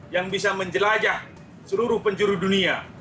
yang bisa menjelajah seluruh penjuru dunia